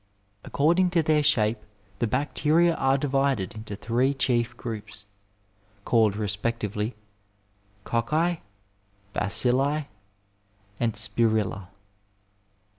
According to their shape the bacteria are divided into three chief groups, called respectively cocci, bacilli, and spiriUa.